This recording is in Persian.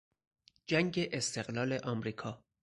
جنگ استقلال امریکا